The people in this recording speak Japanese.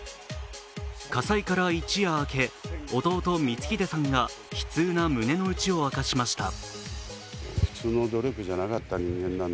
火災から一夜明け、弟・光英さんが悲痛な胸の内を明かしました。